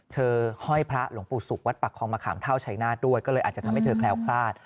เธอห้อยพระหลงปุตรสุขวัฏประคองมาขามเท่าใฉนาธิ์ด้วยก็เลยอาจจะทำให้เธอแคล้วคราด